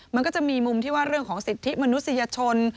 มันก็จะมีมุมที่ว่าเรื่องของสิทธิมนุษยชน